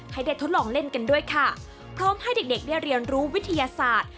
ให้ได้ทดลองเล่นกันด้วยค่ะพร้อมให้เด็กเด็กได้เรียนรู้วิทยาศาสตร์